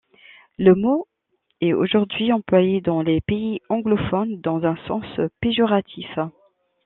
Le mot est aujourd'hui employé dans les pays anglophones dans un sens péjoratif.